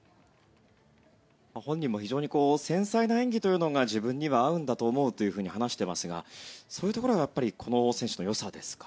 本人も非常に繊細な演技というのが自分には合うんだと思うと話していますがそういうところがこの選手のよさですか？